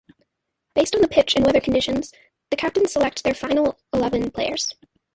Based on the pitch and weather conditions, the captains select their final eleven players.